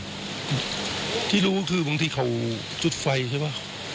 ที่รู้คือบางทีเขาจุดไฟใช่ป่ะ